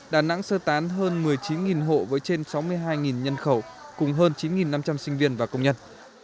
đà nẵng sơ tán hơn một mươi chín hộ với trên sáu mươi hai nhân khẩu cùng hơn chín năm trăm linh sinh viên và công nhân